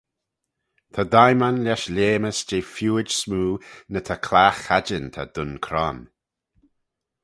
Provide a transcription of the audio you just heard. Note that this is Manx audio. Ta daiman lesh lheamys jeh feeuid smoo na ta clagh chadjin ta dyn cron.